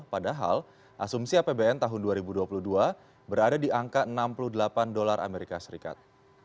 padahal asumsi apbn tahun dua ribu dua puluh dua berada di angka enam puluh delapan dolar amerika serikat